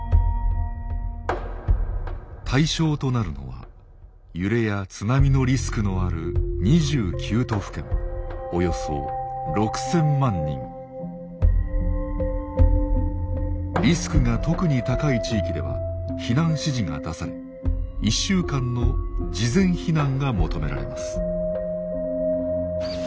対象となるのは揺れや津波のリスクのあるリスクが特に高い地域では避難指示が出され１週間の事前避難が求められます。